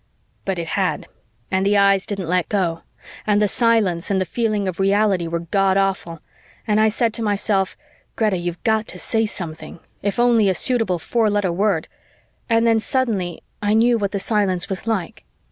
But it had, and the eyes didn't let go, and the silence and the feeling of reality were Godawful, and I said to myself, "Greta, you've got to say something, if only a suitable four letter word," and then suddenly I knew what the silence was like.